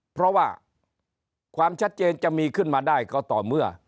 เพราะว่าความชัดเจนจะมีขึ้นมาได้ก็ต่อเมื่อ